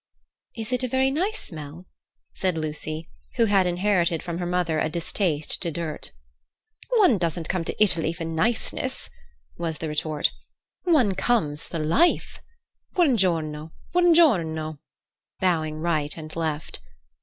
"Is it a very nice smell?" said Lucy, who had inherited from her mother a distaste to dirt. "One doesn't come to Italy for niceness," was the retort; "one comes for life. Buon giorno! Buon giorno!" bowing right and left.